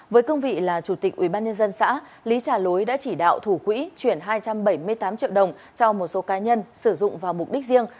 với cương vị là chủ tịch ubnd xã lý trà lối đã chỉ đạo thủ quỹ chuyển hai trăm bảy mươi tám triệu đồng cho một số cá nhân sử dụng vào mục đích riêng